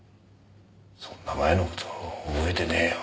そんな前の事覚えてねえよ。